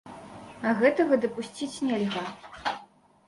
А гэтага дапусціць нельга.